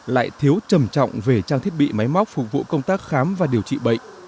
lại thiếu trầm trọng về trang thiết bị máy móc phục vụ công tác khám và điều trị bệnh